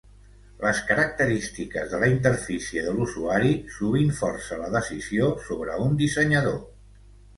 Les característiques de la interfície de l'usuari sovint força la decisió sobre un dissenyador.